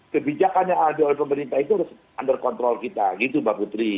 kebijakan yang ada oleh pemerintah itu harus under control kita gitu mbak putri